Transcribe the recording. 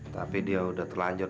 tapi dia sudah terlanjur